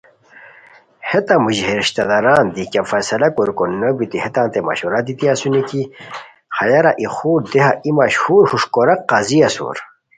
ہیتان موژی ہے رشتہ داران دی کیہ فیصلہ کوریکو نو بیتی ہیتانتے مشورہ دیتی اسونی کی ہیارا ای خور دیہا ای مشہور ہوݰ کوراک قاضی اسور